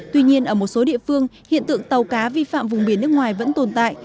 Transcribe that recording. tuy nhiên ở một số địa phương hiện tượng tàu cá vi phạm vùng biển nước ngoài vẫn tồn tại